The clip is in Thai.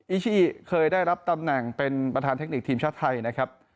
อิชิเคยได้รับตำแหน่งเป็นประธานเทคนิคทีมชาติไทยนะครับ